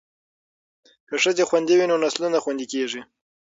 که ښځې خوندي وي نو نسلونه خوندي کیږي.